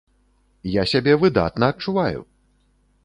Я сябе выдатна адчуваю!